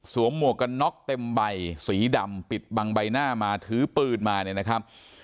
หมวกกันน็อกเต็มใบสีดำปิดบังใบหน้ามาถือปืนมาเนี่ยนะครับ